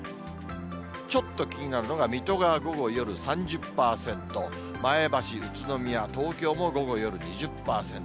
ちょっと気になるのが、水戸が午後、夜３０％、前橋、宇都宮、東京も午後、夜２０％。